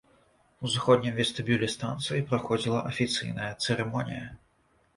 У заходнім вестыбюлі станцыі праходзіла афіцыйная цырымонія.